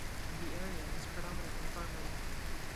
The area is predominantly farmland.